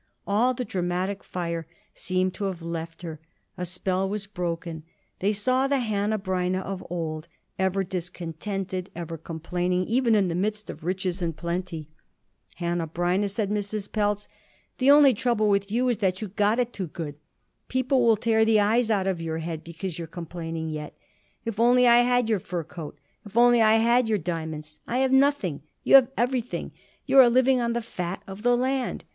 All the dramatic fire seemed to have left her. The spell was broken. They saw the Hanneh Breineh of old, ever discontented, ever complaining even in the midst of riches and plenty. "Hanneh Breineh," said Mrs. Pelz, "the only trouble with you is that you got it too good. People will tear the eyes out of your head because you're complaining yet. If I only had your fur coat! If I only had your diamonds! I have nothing. You have everything. You are living on the fat of the land.